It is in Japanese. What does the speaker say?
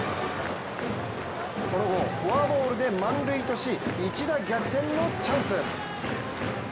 その後、フォアボールで満塁とし、一打逆転のチャンス。